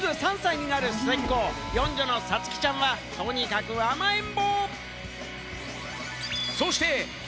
もうすぐ３歳になる末っ子、四女のさつきちゃんは、とにかく甘えん坊。